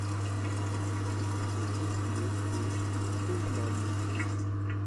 Son chef-lieu est Poznań.